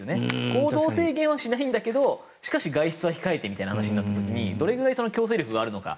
行動制限はしないんだけどしかし、外出は控えてみたいな話になった時にどれくらい強制力があるのか。